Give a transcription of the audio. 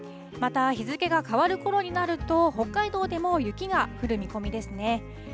また日付が変わるころになると、北海道でも雪が降る見込みですね。